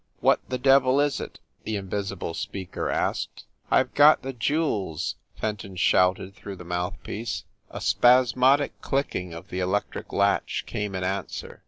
"What the devil is it?" the invisible speaker asked. "I ve got the jewels," Fenton shouted through the mouthpiece. 259 26o FIND THE WOMAN A spasmodic clicking of the electric latch came in answer.